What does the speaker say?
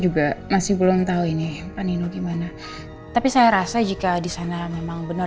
juga masih belum tahu ini panino gimana tapi saya rasa jika di sana memang benar benar membutuhkan